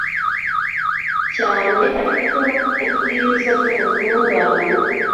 cyane ari cyo: ubwiza bw’ubutungane,